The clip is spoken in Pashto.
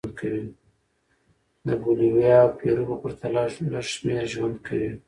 د بولیویا او پیرو په پرتله لږ شمېر ژوند کوي.